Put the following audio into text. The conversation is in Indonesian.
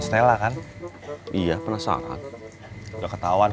stella ada di ciraos kum